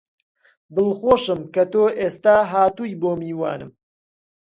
دڵخۆشم کە تۆ ئێستا هاتووی بووی بە میوانم